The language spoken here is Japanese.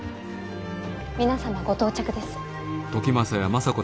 皆様ご到着です。